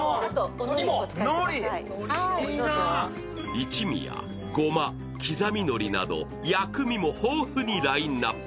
一味やごま、刻みのりなど薬味も豊富にラインナップ。